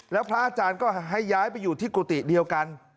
แล้วพระอาจารย์ก็ให้ย้ายไปอยู่ที่กุฏิเดียวกัน